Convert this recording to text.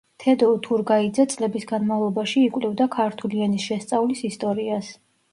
თედო უთურგაიძე წლების განმავლობაში იკვლევდა ქართული ენის შესწავლის ისტორიას.